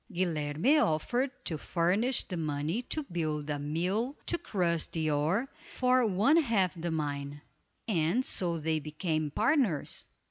Guilerme offered to furnish the money to build a mill to crush the ore, for one half the mine; and so they became partners.